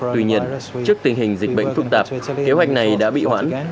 tuy nhiên trước tình hình dịch bệnh phức tạp kế hoạch này đã bị hoãn